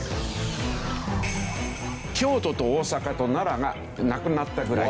京都と大阪と奈良がなくなったぐらい。